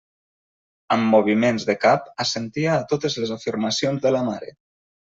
Amb moviments de cap assentia a totes les afirmacions de la mare.